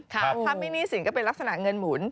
ถ้ามีหนี้สินก็เป็นลักษณะเงินหมุน